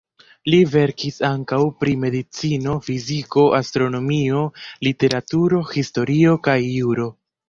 Li verkis ankaŭ pri medicino, fiziko, astronomio, literaturo, historio kaj juro.